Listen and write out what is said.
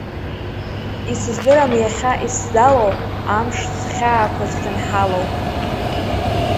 Исыздырам Иахьа исзалоу, амш зхьаақәа зхьынҳалоу.